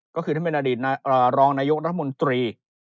ก็คือท่านเป็นอดีตรองนายกรัฐมนตรี